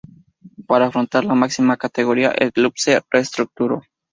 Para afrontar la máxima categoría, el club se reestructuró.